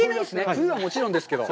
冬はもちろんですけど。